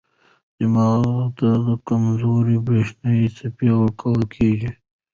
دماغ ته کمزورې برېښنايي څپې ورکول کېږي.